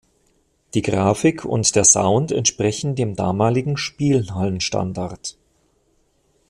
Die Grafik und der Sound entsprechen dem damaligen Spielhallen-Standard.